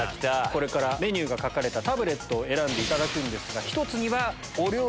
これからメニューが書かれたタブレットを選んでいただくんですが。